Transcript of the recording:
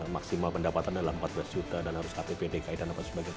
maksimal pendapatan adalah empat belas juta dan harus ktp dki dan apa sebagainya